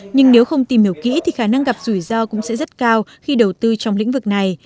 nhưng nếu không tìm hiểu kỹ thì khả năng gặp rủi ro cũng sẽ rất cao khi đầu tư trong lĩnh vực này